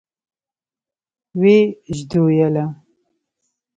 ويې ژدويله.